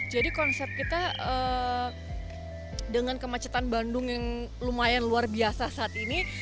jadi konsep kita dengan kemacetan bandung yang lumayan luar biasa saat ini